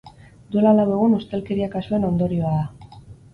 Duela lau egun ustelkeria kasuen ondorioa da.